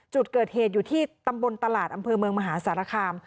จุดเกิดเหตุอยู่ที่ตำบลตลาดอำเภอเมืองมหาสารคาม